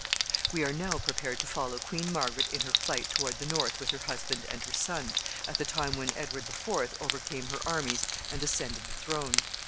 We are now prepared to follow Queen Margaret in her flight toward the north with her husband and her son, at the time when Edward the Fourth overcame her armies and ascended the throne.